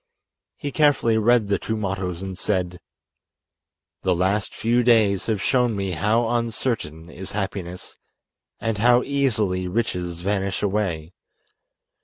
He carefully read the two mottoes and said: "The last few days have shown me how uncertain is happiness and how easily riches vanish away.